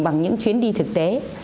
bằng những chuyến đi thực tế